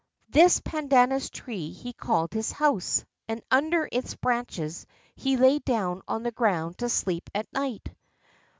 This pandanus tree he called his house, and under its branches he lay down on the ground to sleep at night.